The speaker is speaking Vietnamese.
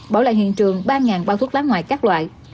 bỏ lại hiện trường ba bao thuốc lá ngoại các loại